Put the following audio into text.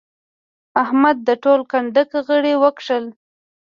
احمد د ټول کنډک غړي وکښل.